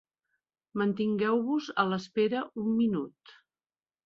Mantingueu-vos a l'espera un minut.